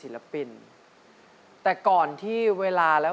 กลับมาฟังเพลง